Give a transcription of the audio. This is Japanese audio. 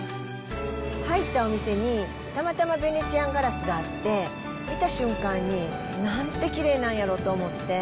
入ったお店に、たまたまヴェネツィアンガラスがあって、見た瞬間に、なんてきれいなんやろと思って。